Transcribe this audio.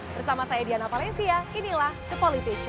bersama saya diana valencia inilah the politician